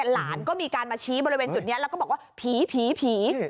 หลานก็มีการมาชี้บริเวณจุดนี้แล้วก็บอกว่าผีผี